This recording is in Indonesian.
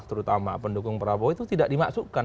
terutama pendukung prabowo itu tidak dimasukkan